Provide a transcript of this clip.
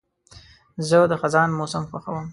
زه د خزان موسم خوښوم.